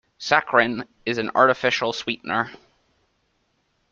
Saccharin is an artificial sweetener.